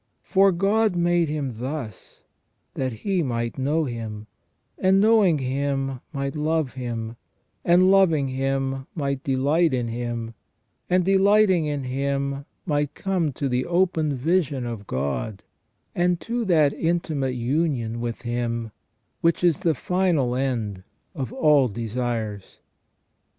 For God made him thus, that he might know Him, and knowing Him might love Him, and loving Him might delight in Him, and delighting in Him might come to the open vision of God, and to that intimate union with Him which is the final end of all desires.